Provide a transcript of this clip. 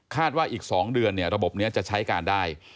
ว่าอีก๒เดือนระบบนี้จะใช้การได้